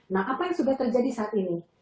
nah apa yang sudah terjadi saat ini